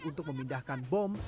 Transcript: untuk memindahkan bom